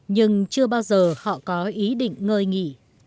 nhưng chưa bao giờ họ có ý định ngơi nghỉ